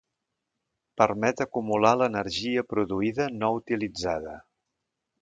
Permet acumular l'energia produïda no utilitzada